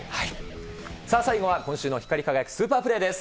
さあ、最後は今週の光り輝くスーパープレーです。